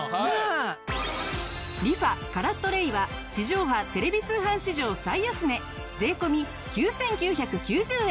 リファカラットレイは地上波テレビ通販史上最安値税込９９９０円。